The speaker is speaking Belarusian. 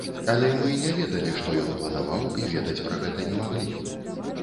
Але мы не ведалі, што ён планаваў, і ведаць пра гэта не маглі.